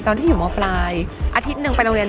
คุณพี่ต้องเจอกันต้องเจอกันคนเดียว